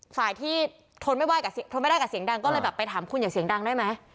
ฝ่ายที่ทนไม่ได้กับเสียงดังก็เลยไปถามคุณอย่าเสียงดังได้ไหม